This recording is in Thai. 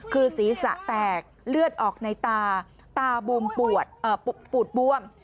คือศีรษะแตกเลือดออกในตาตาบวมปูดบวม